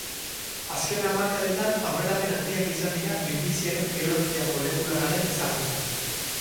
Azken hamarkadetan aurrerapen handiak izan dira minbiziaren biologia molekularraren ezagutzan.